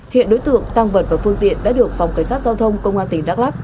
hiện đối tượng tăng vật và phương tiện đã được phòng cảnh sát giao thông công an tỉnh đắk lắc